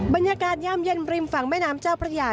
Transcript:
บรรยากาศย่ามเย็นบริมฝั่งแม่น้ำเจ้าประหยา